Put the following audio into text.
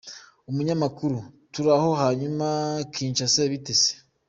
Umunyamakuru: Turaho, hanyuma Kinshasa bite se?.